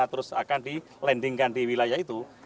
terus akan dilandingkan di wilayah itu